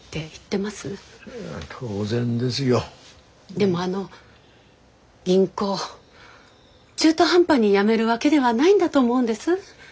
でもあの銀行中途半端に辞めるわけではないんだと思うんです。